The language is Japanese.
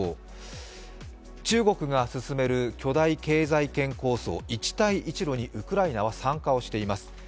中国が進める巨大経済圏構想一帯一路にウクライナは参加しています。